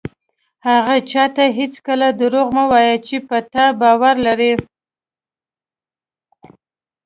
هغه چاته هېڅکله دروغ مه وایه چې په تا باور لري.